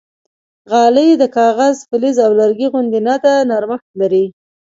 غالۍ د کاغذ، فلز او لرګي غوندې نه ده، نرمښت لري.